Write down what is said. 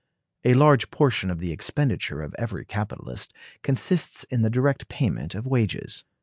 A large portion of the expenditure of every capitalist consists in the direct payment of wages.